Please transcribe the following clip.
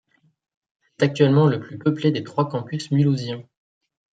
C'est actuellement le plus peuplé des trois campus mulhousiens.